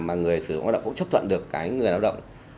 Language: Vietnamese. mà người sử dụng lao động cũng chấp thuận được cái người lao động